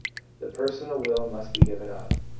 The personal will must be given up.